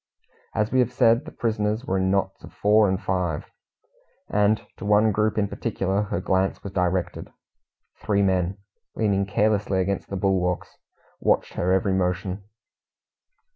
As we have said, the prisoners were in knots of four and five, and to one group in particular her glance was directed. Three men, leaning carelessly against the bulwarks, watched her every motion.